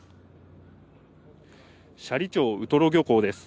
斜里町ウトロ漁港です。